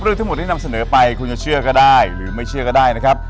เรื่องทั้งหมดที่นำเสนอไปคุณจะเชื่อก็ได้หรือไม่เชื่อก็ได้นะครับ